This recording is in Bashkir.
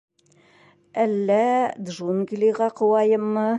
— Әллә джунглиға ҡыуайыммы?